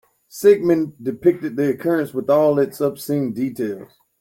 Sigmund depicted the occurrence with all its obscene details.